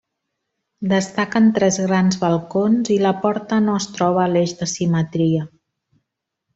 Destaquen tres grans balcons, i la porta no es troba a l'eix de simetria.